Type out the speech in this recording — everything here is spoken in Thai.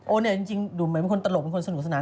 เนี่ยจริงดูเหมือนเป็นคนตลกเป็นคนสนุกสนาน